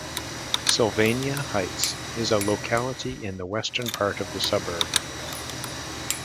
Sylvania Heights is a locality in the western part of the suburb.